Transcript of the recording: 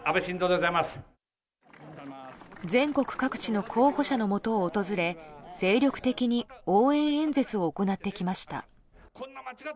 全国各地の候補者のもとを訪れ精力的に応援演説を行ってきました。